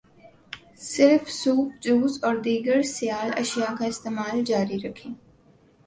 صرف soup, juice, اور دیگر سیال اشیاء کا استعمال جاری رکھیں۔